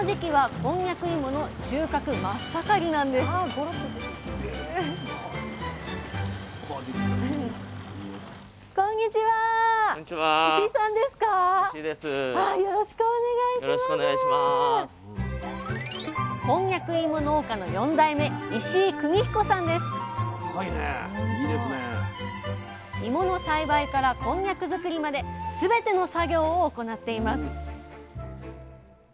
こんにゃく芋農家の４代目芋の栽培からこんにゃく作りまで全ての作業を行っています